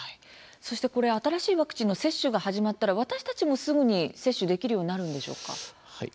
そして新しいワクチンの接種が始まったら私たちもすぐに接種できるようになるんでしょうか？